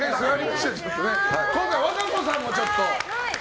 今回、和歌子さんもちょっと。